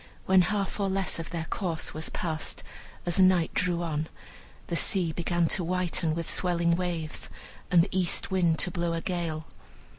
When half or less of their course was passed, as night drew on, the sea began to whiten with swelling waves, and the east wind to blow a gale.